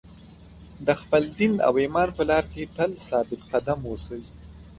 د خپل دین او ایمان په لار کې تل ثابت قدم اوسئ.